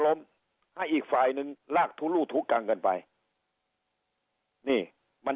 ล้มให้อีกฝ่ายหนึ่งลากทุลู่ทุกังกันไปนี่มัน